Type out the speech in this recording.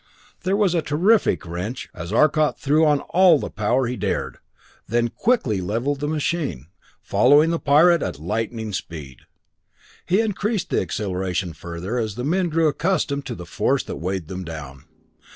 There was a terrific wrench as Arcot threw on all the power he dared, then quickly leveled the machine, following the pirate at lightning speed. He increased the acceleration further as the men grew accustomed to the force that weighed them down.